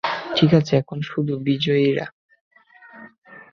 ঠিক আছে, এখন শুধু বিজয়ীরা।